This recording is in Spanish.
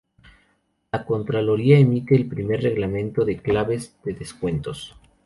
La Contraloría emite el primer Reglamento de Claves de Descuentos.